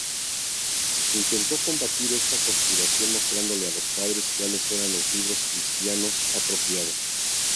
Intentó combatir esta conspiración mostrándole a los padres cuáles eran los libros cristianos apropiados.